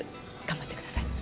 頑張ってください。